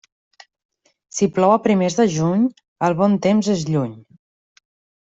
Si plou a primers de juny, el bon temps és lluny.